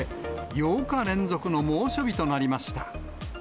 ８日連続の猛暑日となりました。